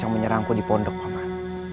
yang menyerangku di pondok mama